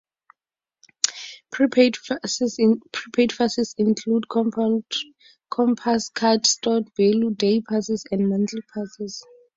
Prepaid fares include Compass Card Stored Value, DayPasses, and Monthly Passes.